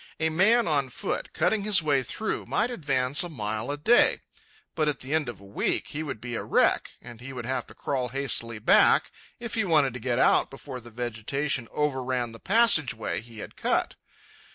A man, on foot, cutting his way through, might advance a mile a day, but at the end of a week he would be a wreck, and he would have to crawl hastily back if he wanted to get out before the vegetation overran the passage way he had cut.